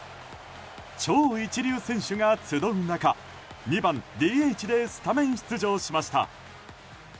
超一流選手が集う中２番ＤＨでスタメン出場しました。